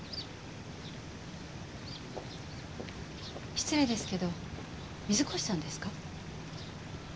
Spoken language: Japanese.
失礼ですけど水越さんですか？